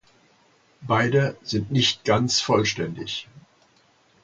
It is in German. Beide sind nicht ganz vollständig.